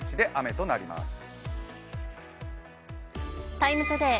「ＴＩＭＥ，ＴＯＤＡＹ」